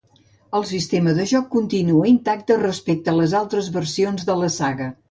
El sistema de joc continua intacte respecte les altres versions de la saga.